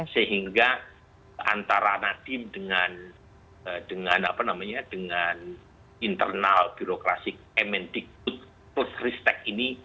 sehingga antara nadiem dengan internal birokrasi kementikbud post ristek ini